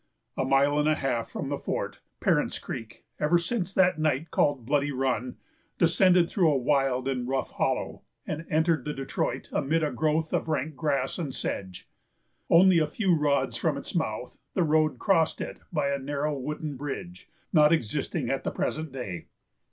A mile and a half from the fort, Parent's Creek, ever since that night called Bloody Run, descended through a wild and rough hollow, and entered the Detroit amid a growth of rank grass and sedge. Only a few rods from its mouth, the road crossed it by a narrow wooden bridge, not existing at the present day.